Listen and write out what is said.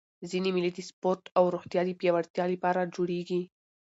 ځيني مېلې د سپورټ او روغتیا د پیاوړتیا له پاره جوړېږي.